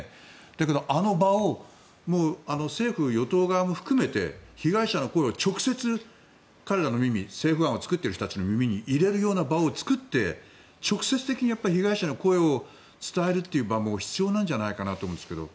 だけどあの場を政府・与党側も含めて被害者の声を直接政府案を作っている人たちの耳に入れるような場を作って、直接的に被害者の声を伝える場面も必要なんじゃないかと思うんですけど。